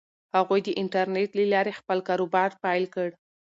هغوی د انټرنیټ له لارې خپل کاروبار پیل کړ.